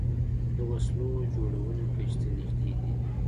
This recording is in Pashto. د وسلو جوړونې کچې ته نژدې دي